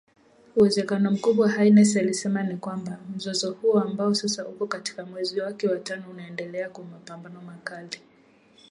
Uwezekano mkubwa Haines alisema ni kwamba, mzozo huo ambao sasa uko katika mwezi wake wa tano unaendelea kwa mapambano makali.